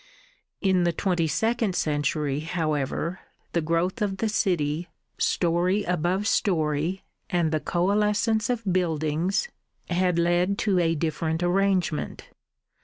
In the twenty second century, however, the growth of the city storey above storey, and the coalescence of buildings, had led to a different arrangement.